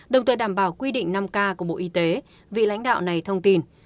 đồng thời đảm bảo quy định năm k của bộ y tế vị lãnh đạo này thông tin